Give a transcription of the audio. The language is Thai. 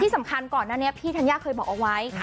ที่สำคัญก่อนนั้นพี่ธัญญาเคยบอกเอาไว้